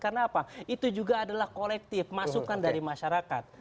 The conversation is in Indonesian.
karena apa itu juga adalah kolektif masukan dari masyarakat